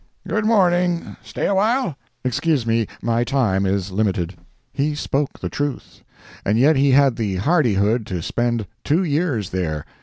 "Good morning—stay awhile?" "Excuse me. My time is limited." He spoke the truth. And yet he had the hardihood to spend two years there.